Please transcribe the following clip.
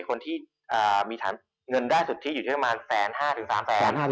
คนที่มีเงินได้สุดที่อยู่ที่ระมาณ๑๕๐๐๓๐๐๐๐๐บาท